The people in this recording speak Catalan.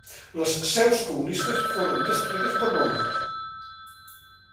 Les seus comunistes foren destruïdes per bombes.